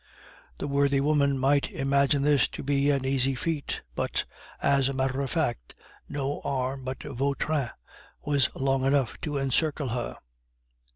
The worthy woman might imagine this to be an easy feat; but, as a matter of fact, no arm but Vautrin's was long enough to encircle her.